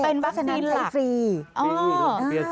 เป็นวัคซีนหลักและธุรกีษ